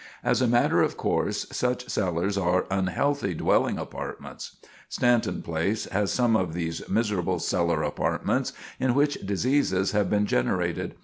As a matter of course such cellars are unhealthy dwelling apartments. Stanton Place has some of these miserable cellar apartments, in which diseases have been generated.